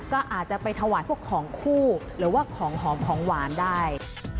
ก็อาจจะไปถวายพวกของคู่หรือว่าของหอมของหวานได้